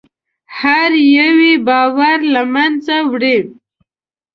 هر یو یې باور له منځه وړي.